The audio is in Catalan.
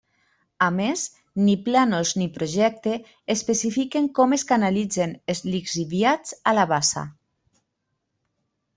A més, ni plànols ni Projecte especifiquen com es canalitzen els lixiviats a la bassa.